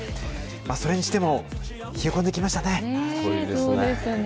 それにしても、冷え込んできましたね。